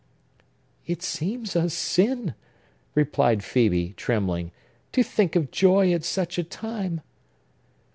"It seems a sin," replied Phœbe, trembling, "to think of joy at such a time!"